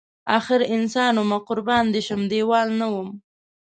اخر انسان ومه قربان دی شم دیوال نه وم